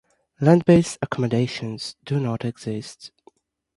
Land-based accommodations do not exist.